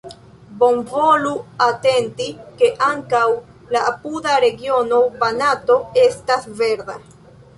Bonvolu atenti, ke ankaŭ la apuda regiono Banato estas verda.